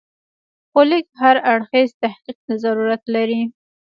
خو لږ هر اړخیز تحقیق ته ضرورت لري.